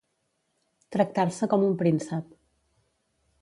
Tractar-se com un príncep.